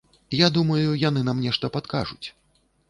Я думаю, яны нам нешта падкажуць.